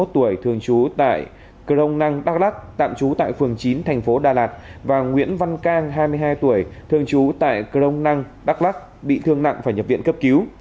ba mươi một tuổi thường trú tại cron năng đắk lắc tạm trú tại phường chín tp đà lạt và nguyễn văn cang hai mươi hai tuổi thường trú tại cron năng đắk lắc bị thương nặng và nhập viện cấp cứu